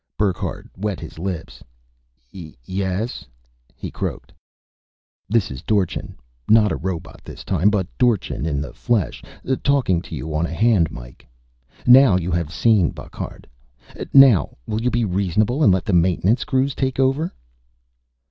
Burckhardt wet his lips. "Y yes?" he croaked. "This is Dorchin. Not a robot this time, but Dorchin in the flesh, talking to you on a hand mike. Now you have seen, Burckhardt. Now will you be reasonable and let the maintenance crews take over?"